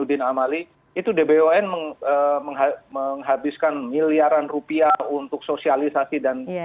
itu dbon menghabiskan miliaran rupiah untuk sosialisasi dan